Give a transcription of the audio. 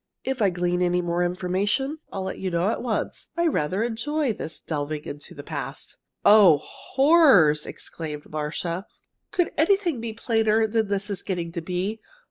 If I glean any more information, I'll let you know at once. I rather enjoy this delving into the past. "Oh, horrors!" exclaimed Marcia. "Could anything be plainer than this is getting to be?